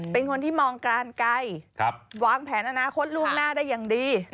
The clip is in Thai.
เป็นคนที่มองกรานไกลวางแผนอนาคตล่วงหน้าได้อย่างดี